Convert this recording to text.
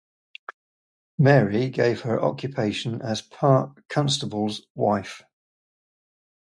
Mary gave her occupation as Park Constable's wife.